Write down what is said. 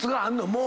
もう。